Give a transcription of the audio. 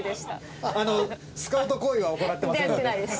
スカウト行為は行ってませんので。